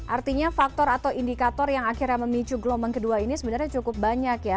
artinya faktor atau indikator yang akhirnya memicu gelombang kedua ini sebenarnya cukup banyak ya